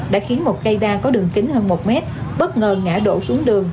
đã khiến một cây đa có đường kính hơn một mét bất ngờ ngã đổ xuống đường